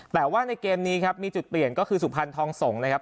แต่ว่าในเกมนี้ครับมีจุดเปลี่ยนก็คือสุพรรณทองสงฆ์นะครับ